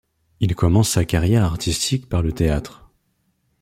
Il commence sa carrière artistique par le théâtre.